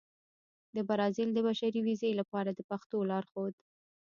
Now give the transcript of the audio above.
د برازيل د بشري ویزې لپاره د پښتو لارښود